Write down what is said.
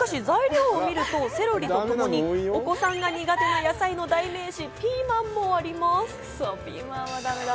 しかし材料を見ると、セロリとともにお子さんが苦手な野菜の代名詞、ピーマンもあります。